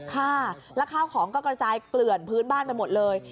ค่ะแล้วข้าวของก็กระจายเกลื่อนพื้นบ้านไปหมดเลย